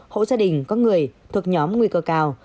hộ gia đình có người thuộc nhóm nguy cơ cao